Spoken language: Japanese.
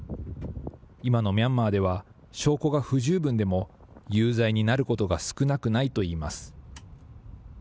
今のミャンマーでは、証拠が不十分でも、有罪になることが少なくないといいます。